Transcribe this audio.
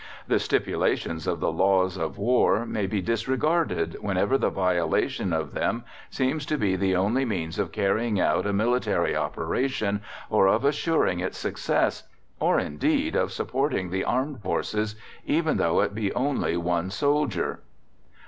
"The stipulations of the Laws of War may be disregarded whenever the violation of them seems to be the only means of carrying out a military operation or of assuring its success, or, indeed, of supporting the armed forces, even though it be only one soldier."